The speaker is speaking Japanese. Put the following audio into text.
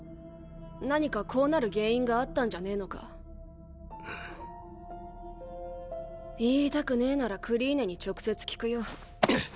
何かこうなる原因があったんじゃねえ言いたくねえならクリーネに直接聞くよ